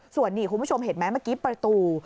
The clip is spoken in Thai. ส่วนนี้คุณผู้ชมเห็นไหมเมื่อกี้ประตู